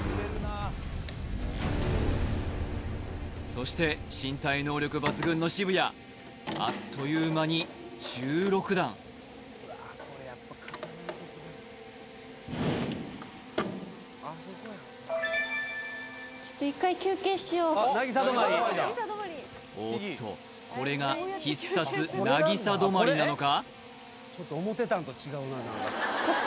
そして身体能力抜群の渋谷あっという間に１６段ちょっとおっとこれが必殺凪咲止まりなのか？